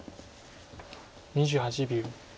２８秒。